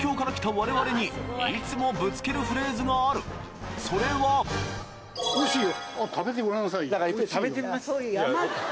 我々にいつもぶつけるフレーズがあるそれはないですよ。